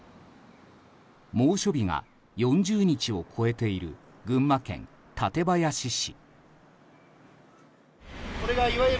猛暑日が４０日を超えている群馬県館林市。